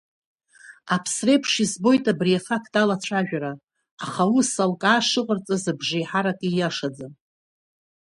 Аԥсреиԥш избоит абри афакт алацәажәара, аха аус алкаа шыҟарҵаз абжеиҳарак ииашаӡам.